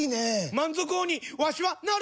満足王にわしはなる！